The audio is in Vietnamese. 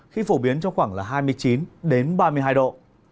khi phổ biến trong khoảng là hai mươi chín ba mươi hai độ